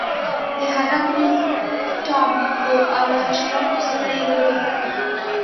د هلک نوم ټام و او له حشراتو سره یې لوبې کولې.